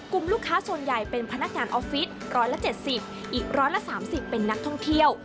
กลุ่มลูกค้าส่วนใหญ่เป็นพนักงานออฟฟิศ๑๗๐อีก๑๓๐เป็นนักท่องเที่ยว